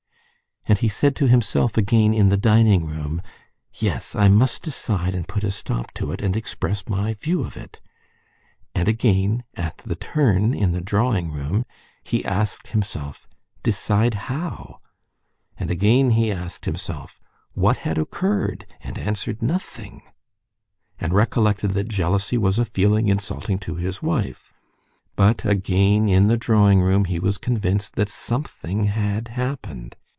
And he said to himself again in the dining room, "Yes, I must decide and put a stop to it, and express my view of it...." And again at the turn in the drawing room he asked himself, "Decide how?" And again he asked himself, "What had occurred?" and answered, "Nothing," and recollected that jealousy was a feeling insulting to his wife; but again in the drawing room he was convinced that something had happened.